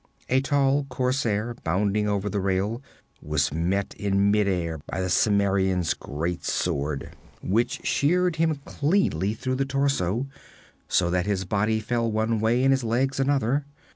A tall corsair, bounding over the rail, was met in midair by the Cimmerian's great sword, which sheared him cleanly through the torso, so that his body fell one way and his legs another.